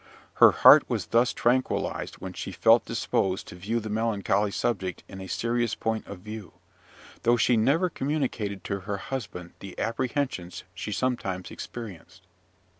Her heart was thus tranquillised when she felt disposed to view the melancholy subject in a serious point of view, though she never communicated to her husband the apprehensions she sometimes experienced.